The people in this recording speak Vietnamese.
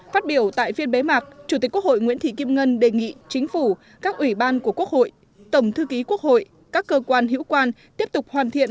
phát biểu tại phiên bế mạc chủ tịch quốc hội nguyễn thị kim ngân đề nghị chính phủ các ủy ban của quốc hội tổng thư ký quốc hội các cơ quan hữu quan tiếp tục hoàn thiện